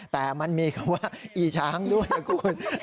แต่มันมีคำว่าอีช้างด้วยนะคุณ